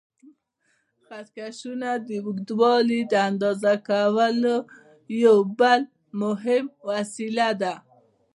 خط کشونه د اوږدوالي د اندازه کولو یو بل مهم وسیله ده.